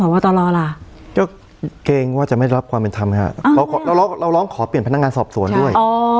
ว่าตลอดล่ะก็เกรงว่าจะไม่รับความเป็นธรรมไหมฮะเราร้องขอเปลี่ยนพนักงานสอบสวนด้วย